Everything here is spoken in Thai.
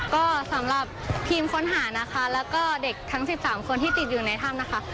ก็สำหรับทีมค้นหานะคะแล้วก็เด็กทั้ง๑๓คนที่ติดอยู่ในถ้ำนะคะ